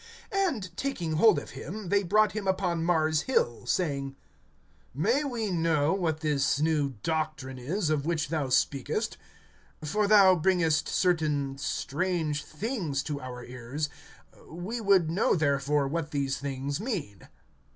(19)And taking hold of him, they brought him upon Mars' Hill, saying: May we know what this new doctrine is, of which thou speakest? (20)For thou bringest certain strange things to our ears; we would know therefore what these things mean.